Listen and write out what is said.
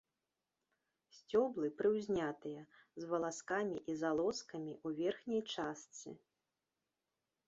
Сцёблы прыўзнятыя, з валаскамі і залозкамі ў верхняй частцы.